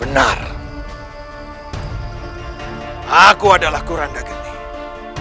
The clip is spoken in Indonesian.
engkau bisa mengenaliku